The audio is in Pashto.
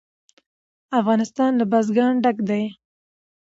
افغانستان له بزګان ډک دی.